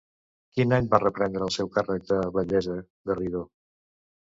Quin any va reprendre el seu càrrec de batllessa, Garrido?